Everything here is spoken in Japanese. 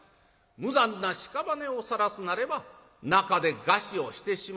無残なしかばねをさらすなれば中で餓死をしてしまおう。